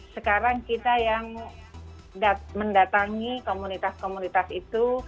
sekarang kita yang mendatangi komunitas komunitas itu